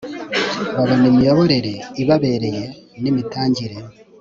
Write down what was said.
babona imiyoborere ibabereye n imitangire